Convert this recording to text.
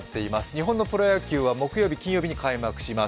日本のプロ野球は木曜日、金曜日に開幕します。